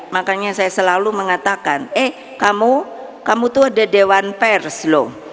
makanya saya selalu mengatakan eh kamu kamu tuh ada dewan pers loh